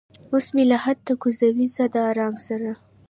اوس مې لحد ته کوزوي څه د ارامه سره